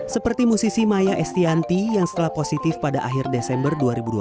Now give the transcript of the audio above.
seperti musisi maya estianti yang setelah positif pada akhir desember dua ribu dua puluh